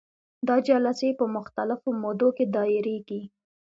دا جلسې په مختلفو مودو کې دایریږي.